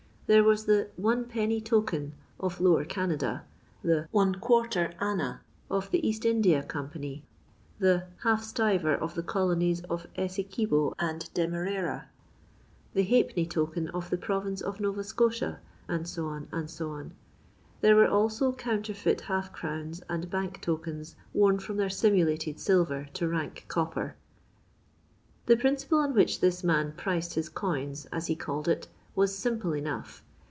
Thert wai the " One Penny token" of Lower CamuU; the "one quarter anna " of the East India Company ; the half •Ufer of the coloniei of Ewequibo and Dema rara ;" the " halfpenny token of the province of Nova Scotia," &c. &c. There were also counter feit halfcrowni and bank tokens worn from their simulated silver to rank copper. The principle on which this man "priced" his coins, as he cnlled it, was simple enough.